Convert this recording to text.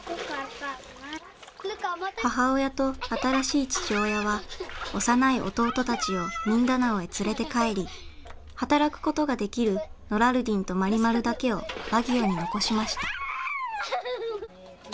母親と新しい父親は幼い弟たちをミンダナオへ連れて帰り働くことができるノラルディンとマリマルだけをバギオに残しました。